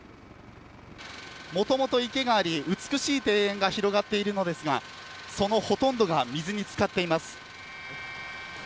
もともと池があり美しい庭園が広がっているのですがそのほとんどが水に漬かっています。